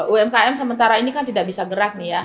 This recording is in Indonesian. umkm sementara ini kan tidak bisa gerak